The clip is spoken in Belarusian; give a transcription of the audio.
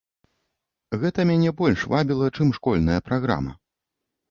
Гэта мяне больш вабіла, чым школьная праграма.